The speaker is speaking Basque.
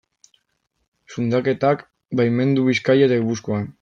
Zundaketak baimendu Bizkaia eta Gipuzkoan.